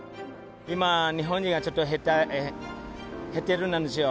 今、日本人がちょっと減っているなんですよ。